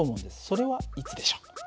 それはいつでしょう？